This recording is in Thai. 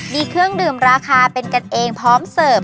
มีเครื่องดื่มราคาเป็นกันเองพร้อมเสิร์ฟ